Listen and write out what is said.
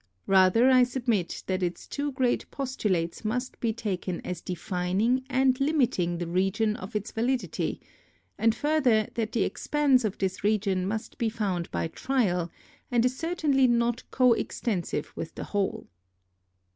Rather I submit that its two great postulates must be taken as defining and limiting the region of its validity, and further, that the expanse of this region must be found by trial and is certainly not co extensive with the whole.